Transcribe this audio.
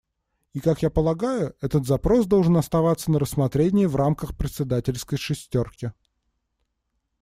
И как я полагаю, этот запрос должен оставаться на рассмотрении в рамках председательской шестерки.